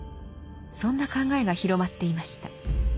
そんな考えが広まっていました。